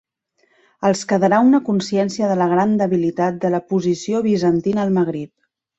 Els quedarà una consciència de la gran debilitat de la posició bizantina al Magrib.